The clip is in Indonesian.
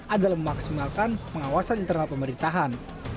adalah memaksimalkan pengawasan internal pemerintahan